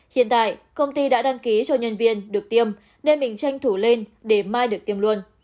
hiện tại công ty đã đăng ký cho nhân viên được tiêm nên mình tranh thủ lên để mai được tiêm luôn